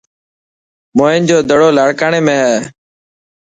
موهن جو دڙو لاڻڪاڻي ۾ هي.